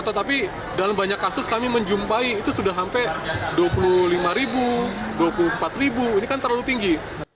tetapi dalam banyak kasus kami menjumpai itu sudah sampai dua puluh lima ribu dua puluh empat ribu ini kan terlalu tinggi